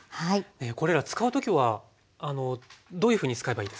これら使う時はどういうふうに使えばいいですか？